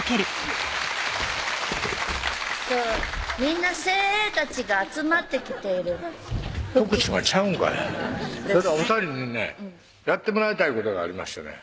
みんな精鋭たちが集まってきている徳島ちゃうんかいそれではお２人にねやってもらいたいことがありましてね